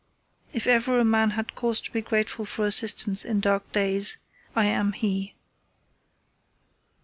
If ever a man had cause to be grateful for assistance in dark days, I am he.